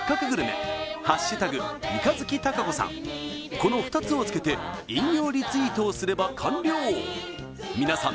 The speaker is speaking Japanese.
この２つをつけて引用リツイートをすれば完了皆さん